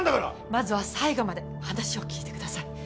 まずは最後まで話を聞いてください